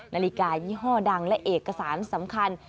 นาฬิกายี่ห้อดังและเอกสารสำคัญ